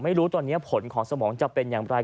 ไม่รู้ตอนนี้ผลของสมองจะเป็นอย่างไร